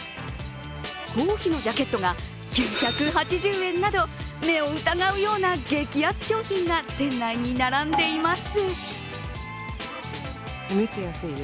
合皮のジャケットが９８０円など目を疑うような激安商品が店内に並んでいます。